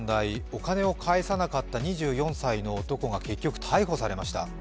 お金を返さなかった２４歳の男が結局、逮捕されました。